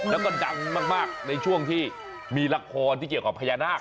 แล้วก็ดังมากในช่วงที่มีละครที่เกี่ยวกับพญานาค